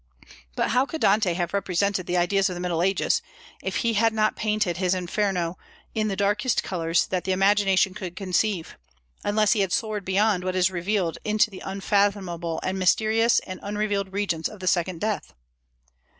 But how could Dante have represented the ideas of the Middle Ages, if he had not painted his Inferno in the darkest colors that the imagination could conceive, unless he had soared beyond what is revealed into the unfathomable and mysterious and unrevealed regions of the second death?